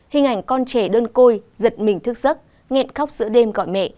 hình ảnh con trẻ đơn côi giật mình thức giấc nghẹn khóc giữa đêm gọi mẹ